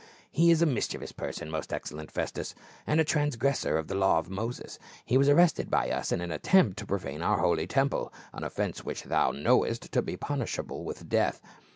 " He is a mischievous person, most excellent Festus, and a transgressor of the law of Moses ; he was arrested by us in an attempt to profane our holy temple, an offense which thou knowest to be punishable with death.